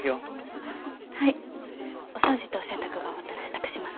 お掃除とお洗濯が終わったら支度します。